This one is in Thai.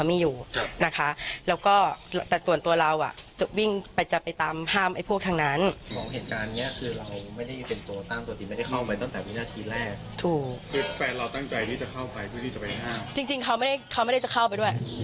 คือแฟนเราตั้งใจที่จะเข้าไปเพื่อที่จะไปห้ามจริงเขาไม่ได้เขาไม่ได้จะเข้าไปด้วย